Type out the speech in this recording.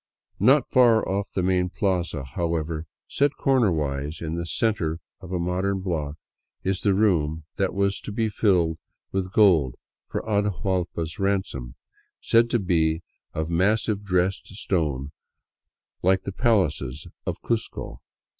Not far off the main plaza, however, set cornerwise in the center of a modern block, is the room that was to be filled with gold for Atahuallpa's ransom, said to be of massive dressed stone, like the palaces of Cuzco.